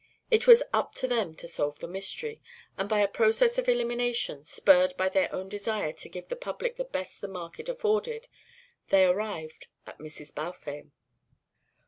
It was "up to them" to solve the mystery, and by a process of elimination, spurred by their own desire to give the public the best the market afforded, they arrived at Mrs. Balfame.